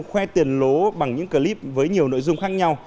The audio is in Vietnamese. khoe tiền lố bằng những clip với nhiều nội dung khác nhau